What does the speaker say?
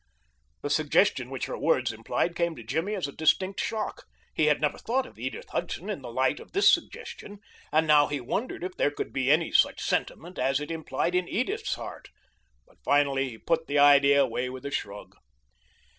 The suggestion which her words implied came to Jimmy as a distinct shock. He had never thought of Edith Hudson in the light of this suggestion, and now he wondered if there could be any such sentiment as it implied in Edith's heart, but finally he put the idea away with a shrug.